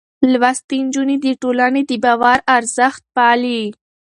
لوستې نجونې د ټولنې د باور ارزښت پالي.